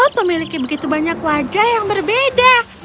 memiliki begitu banyak wajah yang berbeda